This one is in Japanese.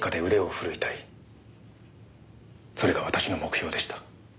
それが私の目標でした。